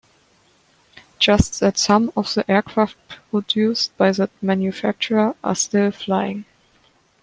Just that some of the aircraft produced by that manufacturer are still flying.